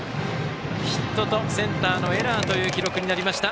ヒットとセンターのエラーという記録になりました。